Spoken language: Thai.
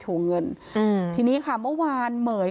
คุณพ่อคุณว่าไง